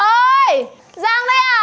ôi giang đây à